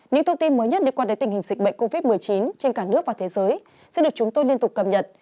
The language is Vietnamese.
những thông tin mới nhất liên quan đến tình hình dịch bệnh covid một mươi chín trên cả nước và thế giới sẽ được chúng tôi liên tục cập nhật